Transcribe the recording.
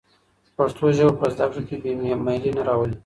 پښتو ژبه په زده کړه کې بې میلي نه راولي.